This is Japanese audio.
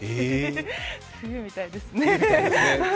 冬みたいですね。